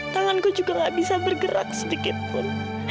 tanganku juga gak bisa bergerak sedikitpun